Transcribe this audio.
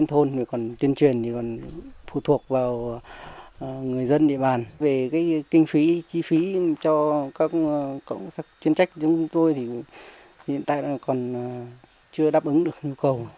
hiện tại còn chưa đáp ứng được nhu cầu